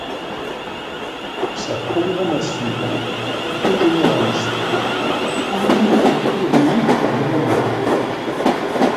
Sa programmation, plutôt généraliste, tourne autour des hits du moment.